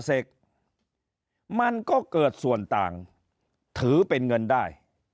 เสกมันก็เกิดส่วนต่างถือเป็นเงินได้